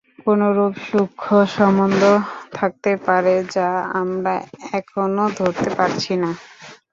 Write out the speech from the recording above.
কোনরূপ সূক্ষ্ম সম্বন্ধ থাকতে পারে, যা আমরা এখনও ধরতে পারছি না।